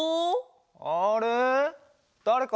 あれ？